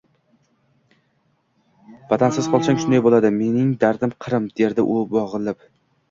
— Vatansiz qolsang shunday bo’ladi, mening dardim Qrim… – derdi u bo’g’ilib.